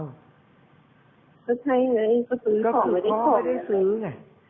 ก็ใช่ไหมก็ซื้อของไม่ได้ของก็คือพ่อไม่ได้ซื้อไง